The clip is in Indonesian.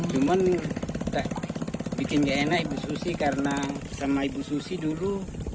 cuman bikin gak enak ibu susi karena sama ibu susi dulu